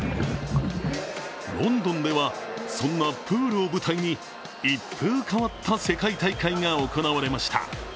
ロンドンでは、そんなプールを舞台に一風変わった世界大会が行われました。